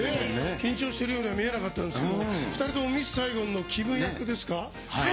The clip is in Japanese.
緊張してるようには見えなかったですけれども、２人ともミス・サイゴンのキム役ですか。